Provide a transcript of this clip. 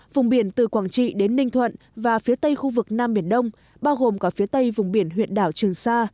vùng biển từ quảng trị đến ninh thuận và phía tây khu vực nam biển đông bao gồm cả phía tây vùng biển huyện đảo trường sa